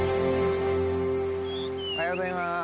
おはようございます。